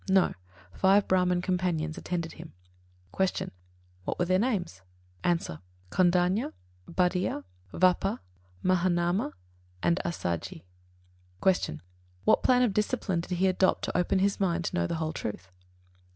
No; five Brāhman companions attended him. 53. Q. What were their names? A. Kondañña, Bhaddiya, Vappa, Mahānāma, and Assaji. 54. Q. _What plan of discipline did he adopt to open his mind to know the whole truth?